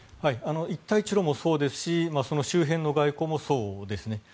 一帯一路もそうですしその周辺の外交もそうですね。